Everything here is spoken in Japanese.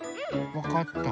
わかった。